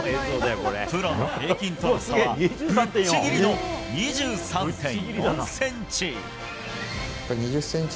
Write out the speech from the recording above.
プロの平均との差はぶっちぎりの２３．４ｃｍ。